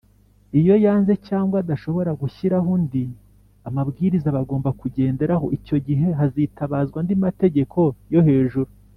Iyo yanze cyangwa adashobora gushyiraho andi mabwiriza bagomba kugenderaho icyo gihe hazitabazwa andi mategeko yo hejuru.